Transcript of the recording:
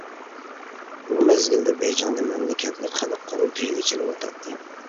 بۇ مەزگىلدە بېيجىڭدا مەملىكەتلىك خەلق قۇرۇلتىيى ئېچىلىۋاتاتتى.